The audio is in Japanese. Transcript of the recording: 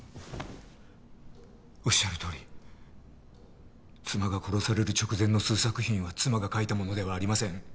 おっしゃるとおり妻が殺される直前の数作品は妻が書いたものではありません。